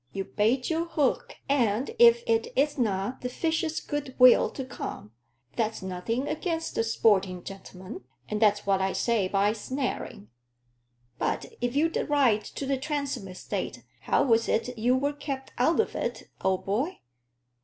You bait your hook, and if it isna the fishes' good will to come, that's nothing again' the sporting genelman. And that's what I say by snaring." "But if you'd a right to the Transome estate, how was it you were kept out of it, old boy?